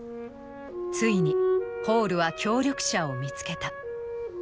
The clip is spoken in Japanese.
ついにホールは協力者を見つけた。